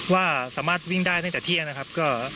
ว่าสามารถวิ่งได้ตั้งแต่เที่ยงนะครับ